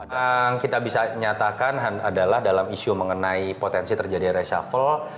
yang kita bisa nyatakan adalah dalam isu mengenai potensi terjadi reshuffle